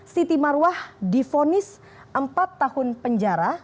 siti marwah difonis empat tahun penjara